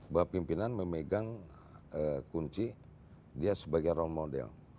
bahwa pimpinan memegang kunci dia sebagai role model